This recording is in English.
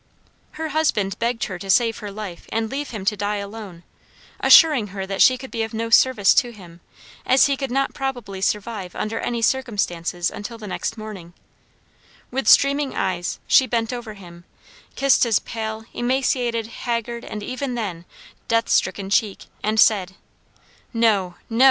Her husband begged her to save her life and leave him to die alone, assuring her that she could be of no service to him, as he could not probably survive under any circumstances until the next morning; with streaming eyes she bent over him, kissed his pale, emaciated, haggard, and even then, death stricken cheek, and said: "No! no!